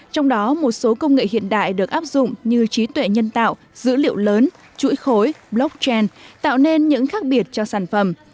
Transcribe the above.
trong đó một số công nghệ hiện đại được áp dụng như trí tuệ nhân tạo dữ liệu lớn chuỗi khối blockchain tạo nên những khác biệt cho sản phẩm